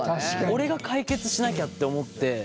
俺が解決しなきゃって思って。